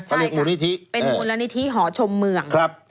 ใช่เป็นมูลนิธิหอชมเมือง